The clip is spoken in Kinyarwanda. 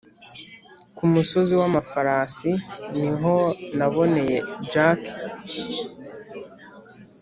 kumusozi wamafarasi niho naboneye jack